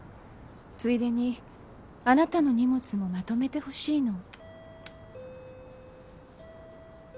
ついでにあなたの荷物もまとめてほしいの。